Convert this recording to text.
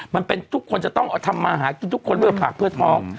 มันเป็นทุกคนจะต้องทำมาเอาหาที่ทุกคนอย่างการผลักเพื่อท้อง